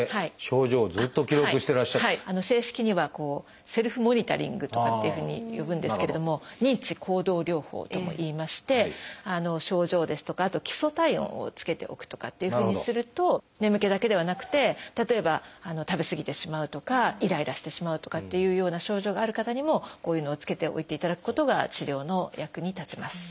正式には「セルフモニタリング」とかっていうふうに呼ぶんですけれども「認知行動療法」ともいいまして症状ですとかあと基礎体温をつけておくとかというふうにすると眠気だけではなくて例えば食べ過ぎてしまうとかイライラしてしまうとかっていうような症状がある方にもこういうのをつけておいていただくことが治療の役に立ちます。